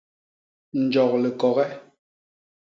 Njok likoge.